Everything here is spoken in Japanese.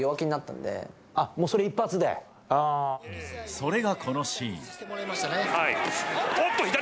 それがこのシーン。